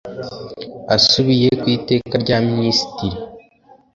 Asubiye ku Iteka rya Minisitiri